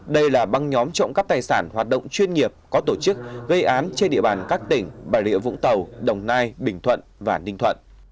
đây là băng nhóm trộm cắp tài sản hoạt động chuyên nghiệp có tổ chức gây án trên địa bàn các tỉnh bà rịa vũng tàu đồng nai bình thuận và ninh thuận